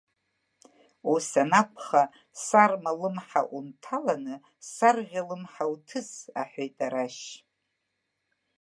Ус анакәха, сарма лымҳа унҭаланы сарӷьа лымҳа уҭыс, — аҳәеит арашь.